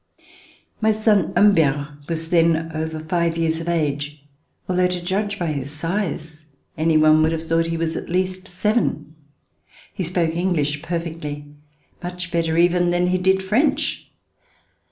My son, Humbert, was then over five years of age, [^13 ] RECOLLECTIONS OF THE REVOLUTION although to judge by his size, any one would have thought he was at least seven. He spoke English perfectly — much better even than he did French.